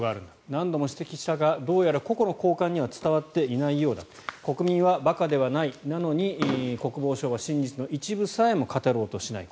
何度も指摘したがどうやら個々の高官には伝わっていないようだ国民は馬鹿ではないなのに国防省は真実の一部しか語ろうとしない